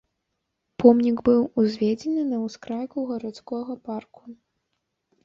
Помнік быў узведзены на ўскрайку гарадскога парку.